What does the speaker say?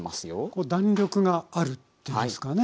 こう弾力があるっていうんですかね。